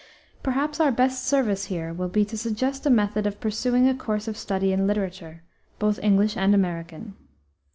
Perhaps our best service here will be to suggest a method of pursuing a course of study in literature, both English and American.